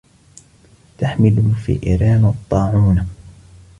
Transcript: تحمل الفئران الطاعون.